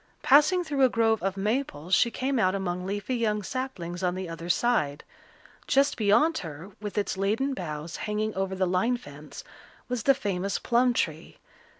Passing through a grove of maples she came out among leafy young saplings on the other side. Just beyond her, with its laden boughs hanging over the line fence, was the famous plum tree.